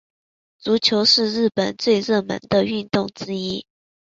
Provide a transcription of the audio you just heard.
足球是日本最热门的运动之一。